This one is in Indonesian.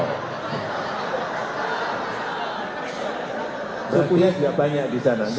berarti gak banyak di sana